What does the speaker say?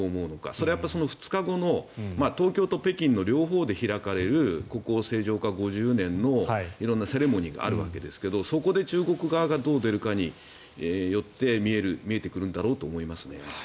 それはその２日後の東京と北京の両方で開かれる国交正常化５０年の色んなセレモニーがあるわけですがそこで中国側がどう出るかによって見えてくるんだろうと思いますね。